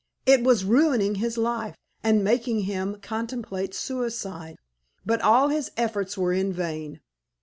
It was ruining his life, and making him contemplate suicide. But all his efforts were in vain.